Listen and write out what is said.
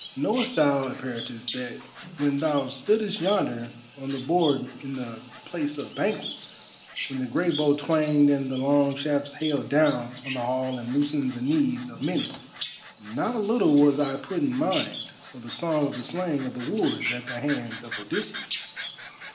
Knowest thou, Eperitus, that when thou stoodest yonder on the board in the Place of Banquets, when the great bow twanged and the long shafts hailed down on the hall and loosened the knees of many, not a little was I put in mind of the song of the slaying of the wooers at the hands of Odysseus.